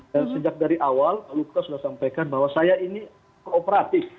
dan sejak dari awal lukas sudah sampaikan bahwa saya ini kooperatif